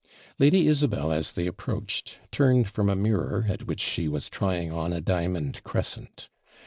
Lady Isabel, as they approached, turned from a mirror, at which she was trying on a diamond crescent.